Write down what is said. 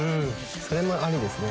それもありですね。